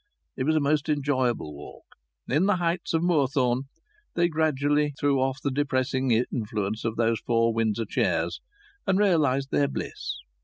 It was a most enjoyable walk. In the heights of Moorthorne they gradually threw off the depressing influence of those four Windsor chairs, and realized their bliss.